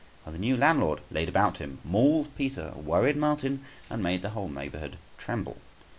How the new landlord {164a} laid about him, mauled Peter, worried Martin, and made the whole neighbourhood tremble.